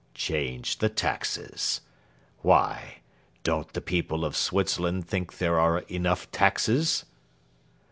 "Change the taxes? Why, don't the people of Switzerland think there are enough taxes?"